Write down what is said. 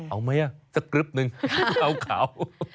เอาไหมอ่ะสักกรึ๊บหนึ่งเขาขาว